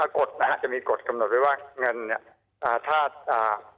กฎนะฮะจะมีกฎกำหนดไว้ว่าเงินเนี้ยอ่าถ้าอ่า